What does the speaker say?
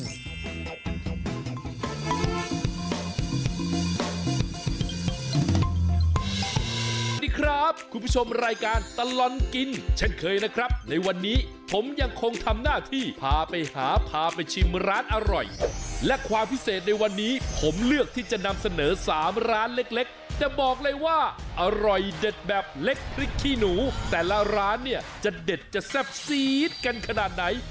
สวัสดีครับคุณผู้ชมรายการตลอดกินเช่นเคยนะครับในวันนี้ผมยังคงทำหน้าที่พาไปหาพาไปชิมร้านอร่อยและความพิเศษในวันนี้ผมเลือกที่จะนำเสนอ๓ร้านเล็กจะบอกเลยว่าอร่อยเด็ดแบบเล็กพริกขี้หนูแต่ละร้านเนี่ยจะเด็ดจะแซ่บซีดกันขนาดไหน